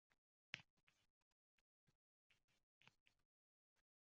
Shunday deya baqirib-chaqirishardi.